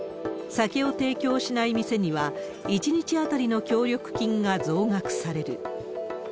酒を提供しない店には、１日当たりの協力金が増額される。